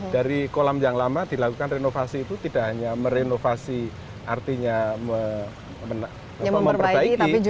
dari kolam yang lama dilakukan renovasi itu tidak hanya merenovasi artinya memperbaiki